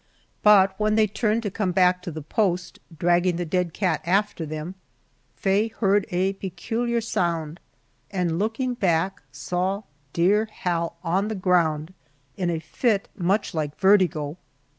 But when they turned to come to the post, dragging the dead cat after them, Faye heard a peculiar sound, and looking back saw dear Hal on the ground in a fit much like vertigo.